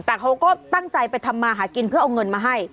แต่เขาก็ตั้งใจไปทำมาหากินเพื่อเอาเงินมาให้